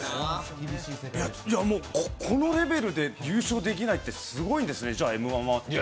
このレベルで優勝できないって、すごいんですね「Ｍ−１」は。